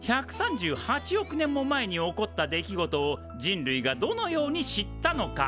１３８億年も前に起こった出来事を人類がどのように知ったのか？